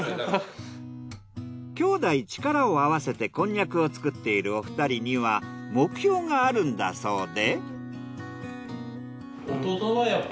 兄弟力を合わせてこんにゃくを作っているお二人には目標があるんだそうで。